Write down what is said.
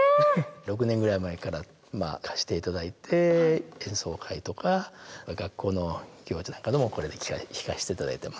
６年ぐらい前から貸して頂いて演奏会とか学校の行事なんかでもこれで弾かせて頂いてます。